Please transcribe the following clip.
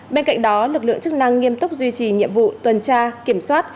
bên cạnh đó lực lượng chức năng nghiêm túc duy trì nhiệm vụ tuần tra kiểm soát